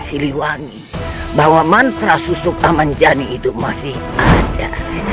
siliwangi bahwa mantra susuk amanjani itu masih ada